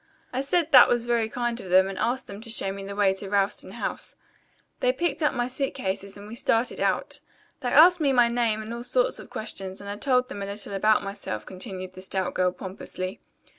I said that was very kind of them and asked them to show me the way to Ralston House. They picked up my suit cases and we started out. They asked me my name and all sorts of questions and I told them a little about myself," continued the stout girl pompously.